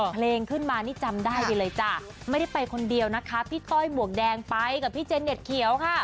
เพลงขึ้นมานี่จำได้ไปเลยจ้ะไม่ได้ไปคนเดียวนะคะพี่ต้อยหมวกแดงไปกับพี่เจนเน็ตเขียวค่ะ